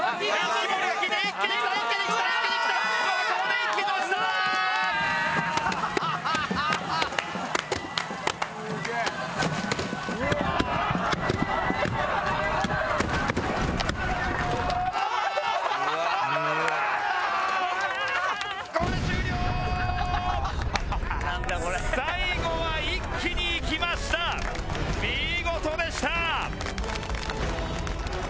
見事でした！